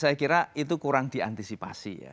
saya kira itu kurang diantisipasi ya